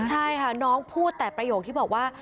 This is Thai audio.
ใช่ค่ะน้องพูดแต่ประโยคที่บอกว่า